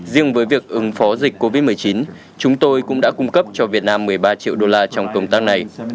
riêng với việc ứng phó dịch covid một mươi chín chúng tôi cũng đã cung cấp cho việt nam một mươi ba triệu đô la trong công tác này